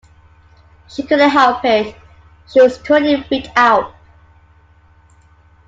She couldn't help it, she was totally freaked out.